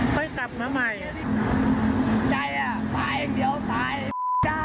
พ่อกับแม่เราอยู่ไหน